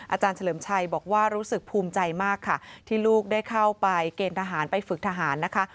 อาจารย์เฉลิมชัยบอกว่ารู้สึกภูมิใจมากค่ะที่ลูกได้เข้าไปเกณฑ์ทหารไปฝึกทหารนะคะ